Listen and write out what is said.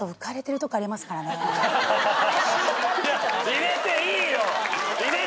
入れていいよ！